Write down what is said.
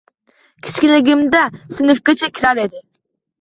Kichkinaligimda sinfgacha kirar edi